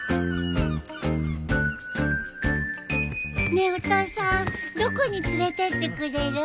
ねえお父さんどこに連れてってくれる？